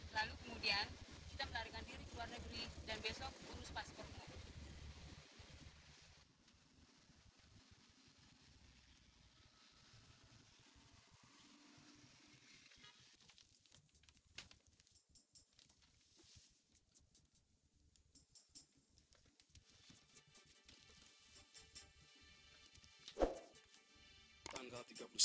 lalu kemudian kita melarikan diri ke luar negeri dan besok bunuh sepasukmu